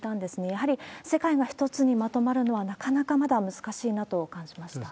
やはり世界が一つにまとまるのは、なかなかまだ難しいなと感じました。